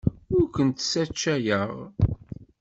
Ur kent-sseccayeɣ.